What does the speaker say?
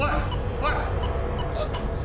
おい！